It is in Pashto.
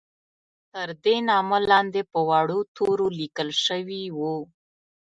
تر دې نامه لاندې په وړو تورو لیکل شوي وو.